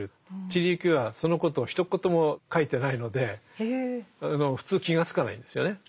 知里幸恵はそのことをひと言も書いてないので普通気がつかないんですよね。